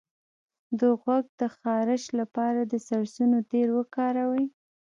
د غوږ د خارش لپاره د سرسونو تېل وکاروئ